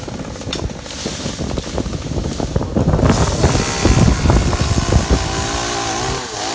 สวัสดีครับคุณผู้ชาย